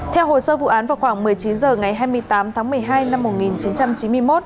theo hồ sơ vụ án vào khoảng một mươi chín h ngày hai mươi tám tháng một mươi hai năm một nghìn chín trăm chín mươi một